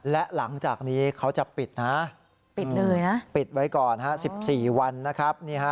และหลังจากนี้เขาจะปิดนะฮะปิดไว้ก่อนฮะ๑๔วันนะครับนี่ฮะ